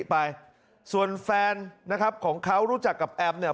ไปส่วนแฟนนะครับของเขารู้จักกับแอมเนี่ย